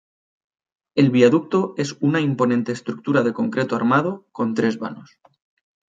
El viaducto es una imponente estructura de concreto armado, con tres vanos.